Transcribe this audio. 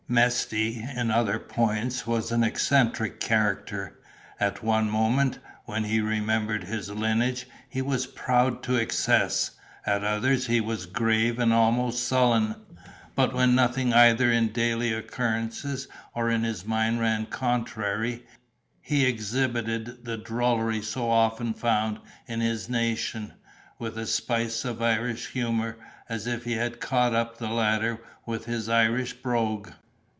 Mesty in other points was an eccentric character; at one moment, when he remembered his lineage, he was proud to excess, at others he was grave and almost sullen—but when nothing either in daily occurrences or in his mind ran contrary, he exhibited the drollery so often found in his nation, with a spice of Irish humor, as if he had caught up the latter with his Irish brogue.